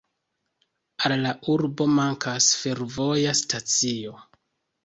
Al la urbo mankas fervoja stacio.